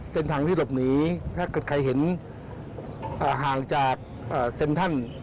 เส้นทางที่หลบหนีถ้าเกิดใครเห็นห่างจากเซ็นทรัล